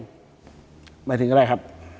หมายถึงก็ได้ครับ